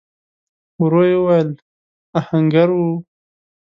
ورو يې وويل: آهنګر و؟